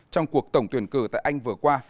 trong cuộc tổng tuyển cử tại anh vừa qua